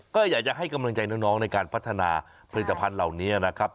ก็อยากจะให้กำลังใจน้องในการพัฒนาผลิตภัณฑ์เหล่านี้นะครับ